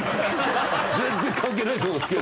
全然関係ないと思うんすけど。